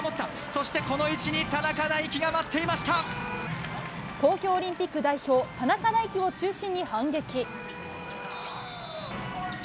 そしてこの位置に田中大貴が待っ東京オリンピック代表、田中大貴を中心に反撃。